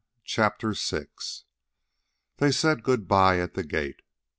CHAPTER VI They said good bye at the gate.